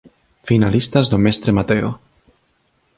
Finalistas dos Mestre Mateo